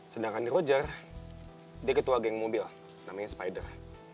sedangkan di roger dia ketua geng mobil namanya spider